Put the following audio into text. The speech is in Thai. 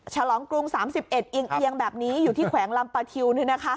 ฉลองกรุง๓๑อย่างแบบนี้อยู่ที่แขวงลำปะทิวนี่นะคะ